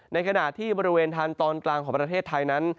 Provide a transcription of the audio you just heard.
ในขณะที่บริเวณทางตอนกลางของประเทศไทยนั้น